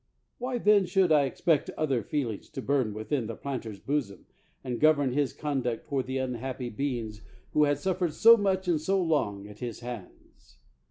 Why then should I expect other feelings to burn within the planter's bosom, and govern his conduct toward the unhappy be ings who had suffered so much and so long at his hands?